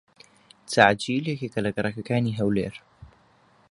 تەعجیل یەکێکە لە گەڕەکەکانی هەولێر.